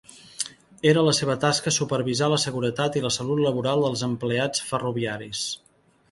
Era la seva tasca supervisar la seguretat i la salut laboral dels empleats ferroviaris.